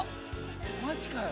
マジかよ。